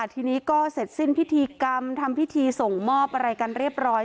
ทีนี้ก็เสร็จสิ้นพิธีกรรมทำพิธีส่งมอบอะไรกันเรียบร้อย